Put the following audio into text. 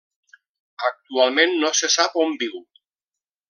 Actualment no se sap on viu.